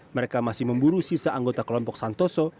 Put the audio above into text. mereka masih memburu sisa anggota kelompok santoso